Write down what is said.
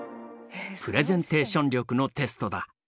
プレゼンテーション力のテストだ。